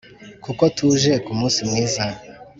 kuko tuje ku munsi mwiza.